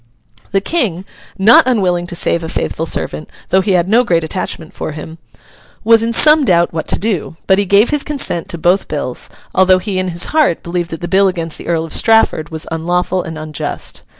The King—not unwilling to save a faithful servant, though he had no great attachment for him—was in some doubt what to do; but he gave his consent to both bills, although he in his heart believed that the bill against the Earl of Strafford was unlawful and unjust.